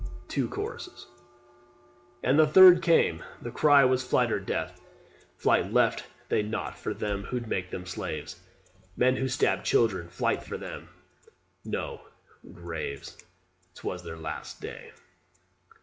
TWO CHORUSES. And the third came.... The cry was "Flight or Death!" Flight left they not for them who'd make them slaves Men who stab children! flight for THEM!... no! graves! 'Twas their LAST day.